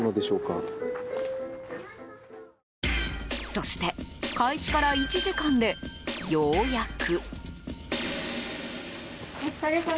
そして、開始から１時間でようやく。